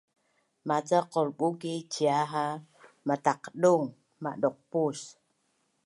Maca qulbu kicia ha mataqdung madauqpus